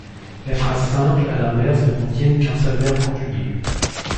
Les phrases simples, à l'inverse, ne contiennent qu'un seul verbe conjugué.